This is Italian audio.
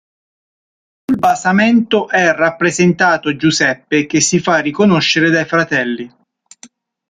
Sul basamento è rappresentato "Giuseppe che si fa riconoscere dai fratelli".